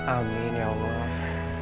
amin ya allah